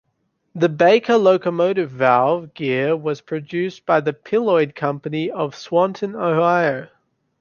The Baker Locomotive Valve Gear was produced by the Pilliod Company of Swanton, Ohio.